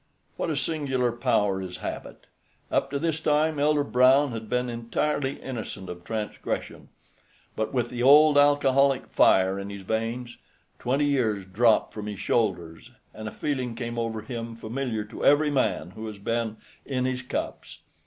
What a singular power is habit! Up to this time Elder Brown had been entirely innocent of transgression, but with the old alcoholic fire in his veins, twenty years dropped from his shoulders, and a feeling came over him familiar to every man who has been "in his cups."